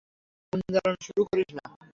আগুন জ্বালানো শুরু করিস না।